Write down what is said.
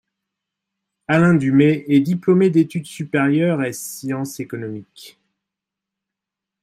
Alain Dumait est diplômé d'études supérieures ès sciences économiques.